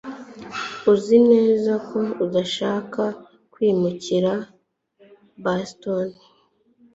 Uzi neza ko udashaka kwimukira i Boston